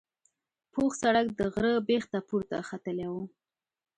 پوخ سړک د غره بیخ ته پورته ختلی و.